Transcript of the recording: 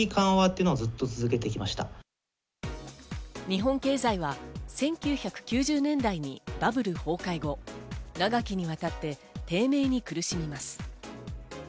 日本経済は１９９０年代にバブル崩壊後、長きにわたって低迷に苦しみます。